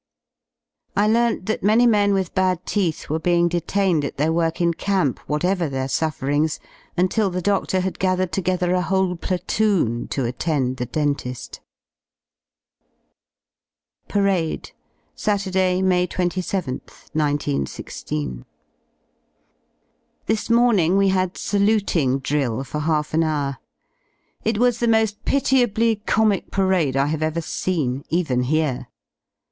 I learnt that many men with bad teeth were being detained at their work in camp, whatever their sufferings, until the dodor had gathered together a whole platoon to attend the dentil PARADE Saturday y May 27th, 19 16. This morning we had saluting drill for half an hour. It was the mo^ pitiably comic parade I have ever seen, even here.